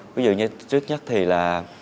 ví dụ như trước nhất thì là